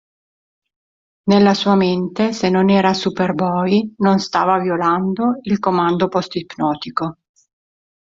Nella sua mente, se non era "Superboy", non stava violando il comando post-ipnotico.